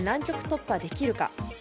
突破できるか。